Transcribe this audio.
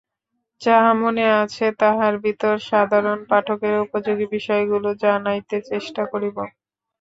যাহা মনে আছে, তাহার ভিতর সাধারণ-পাঠকের উপযোগী বিষয়গুলি জানাইতে চেষ্টা করিব।